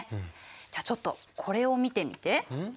じゃあちょっとこれを見てみて。